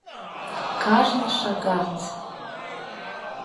Кажне шагат!